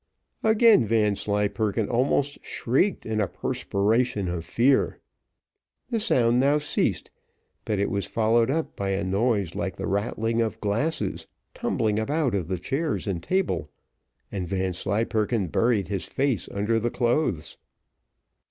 Again Vanslyperken almost shrieked in a perspiration of fear. The sound now ceased; but it was followed up by a noise like the rattling of glasses, tumbling about of the chairs and table, and Vanslyperken buried his face under the clothes.